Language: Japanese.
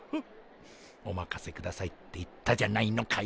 おまかせくださいって言ったじゃないのかい？